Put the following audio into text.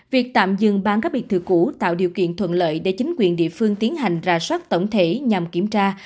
việc tạm dừng bán các biệt thự cũ tạo điều kiện thuận lợi để chính quyền địa phương tiến hành ra soát tổng thể nhằm kiểm tra